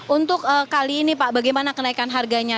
untuk kali ini pak bagaimana kenaikan harganya